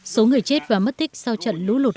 số người chết và mất tích sau trận lũ lụt